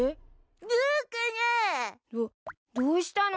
どどうしたの？